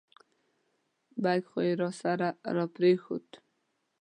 بیک خو یې راسره را پرېښود.